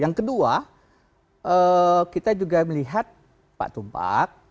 yang kedua kita juga melihat pak tumpak